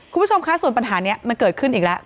คุณผู้ชมคะส่วนปัญหานี้มันเกิดขึ้นอีกแล้ว